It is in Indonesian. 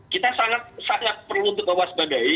kita sangat sangat perlu diwaspadai